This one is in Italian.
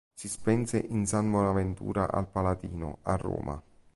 Si spense in San Bonaventura al Palatino, a Roma.